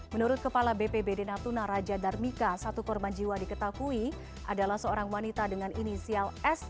menurut kepala bpbd natuna raja darmika satu korban jiwa diketahui adalah seorang wanita dengan inisial s